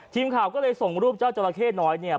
ทีมข่าวก็เลยส่งรูปเจ้าจราเข้น้อยเนี่ย